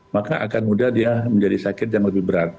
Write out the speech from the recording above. maka akan mudah dia menjadi sakit yang lebih berat